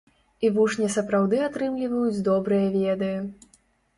І вучні сапраўды атрымліваюць добрыя веды.